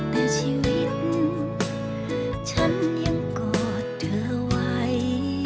แต่ชีวิตฉันยังกอดเธอไว้